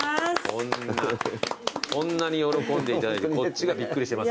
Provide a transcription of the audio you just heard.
こんなに喜んでいただいてこっちがびっくりしてます。